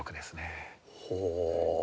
ほう。